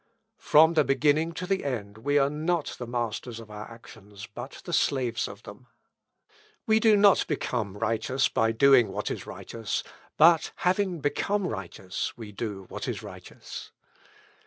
"From the beginning to the end we are not the masters of our actions, but the slaves of them. "We do not become righteous by doing what is righteous, but having become righteous we do what is righteous.